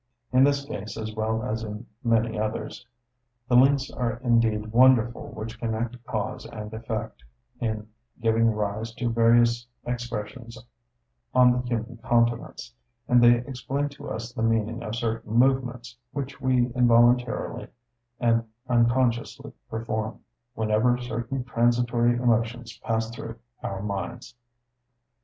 In this case, as well as in many others, the links are indeed wonderful which connect cause and effect in giving rise to various expressions on the human countenance; and they explain to us the meaning of certain movements, which we involuntarily and unconsciously perform, whenever certain transitory emotions pass through our minds.